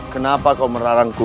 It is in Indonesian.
kenapa kau meraranku